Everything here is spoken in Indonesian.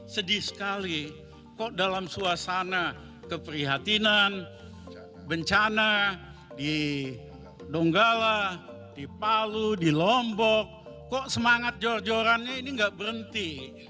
sedih sekali kok dalam suasana keprihatinan bencana di donggala di palu di lombok kok semangat jor jorannya ini nggak berhenti